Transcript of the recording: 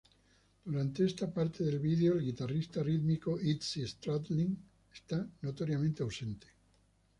Durante esta parte del video el guitarrista rítmico Izzy Stradlin está notoriamente ausente.